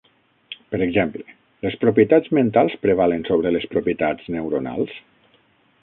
Per exemple, les propietats mentals prevalen sobre les propietats neuronals?